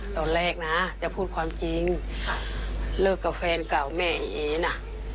ตอนแรกนะจะพูดความจริงเลิกกับแฟนเก่าแม่ไอ้เอน่ะ